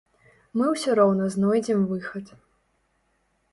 Мы ўсё роўна знойдзем выхад.